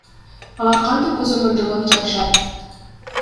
Алар кантип көзөмөлдөгөнү жатышат?